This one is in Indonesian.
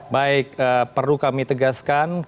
baik perlu kami tegaskan